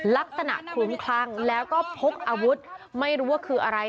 คลุ้มคลั่งแล้วก็พกอาวุธไม่รู้ว่าคืออะไร